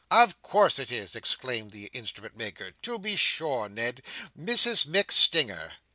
"Of course it is!" exclaimed the Instrument maker. "To be sure Ned. Mrs MacStinger!"